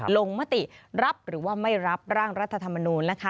มติรับหรือว่าไม่รับร่างรัฐธรรมนูญนะคะ